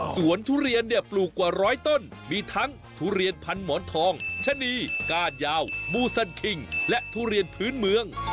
สวนทุเรียนเนี่ยปลูกกว่าร้อยต้นมีทั้งทุเรียนพันหมอนทองชะนีก้านยาวมูซันคิงและทุเรียนพื้นเมือง